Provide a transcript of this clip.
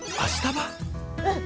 うん。